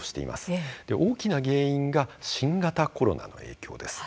大きな原因が新型コロナの影響です。